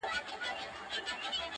په ښکاره یې اخیستله رشوتونه!